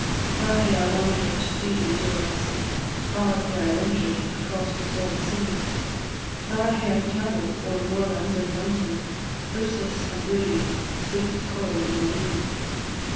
"Far hae I wander'd to see thee, dear lassie! Far hae I ventured across the saut sea; Far hae I travell'd ower moorland and mountain, Houseless and weary, sleep'd cauld on the lea.